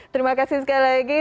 terima kasih sekali lagi